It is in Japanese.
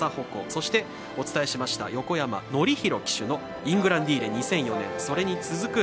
そしてお伝えしました横山典弘騎手のイングランディーレそれに続く